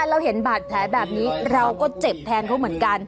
เราเห็นบาดแผลแบบนี้เราก็เจ็บแทนเขาเหมือนกัน